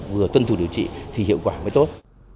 vừa tuân thủ điều trị thì hiệu quả mới tốt